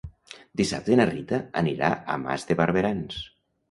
Dissabte na Rita anirà a Mas de Barberans.